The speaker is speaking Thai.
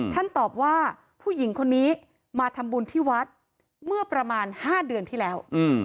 ตอบว่าผู้หญิงคนนี้มาทำบุญที่วัดเมื่อประมาณ๕เดือนที่แล้ว